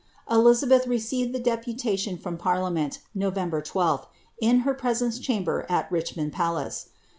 Eliza beth received the deputation from Parliament, November 12th, in her pre lence chamber at Richmond Palace.